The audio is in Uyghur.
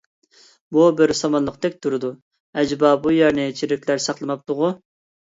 بۇ بىر سامانلىقتەك تۇرىدۇ، ئەجەبا بۇ يەرنى چېرىكلەر ساقلىماپتۇغۇ؟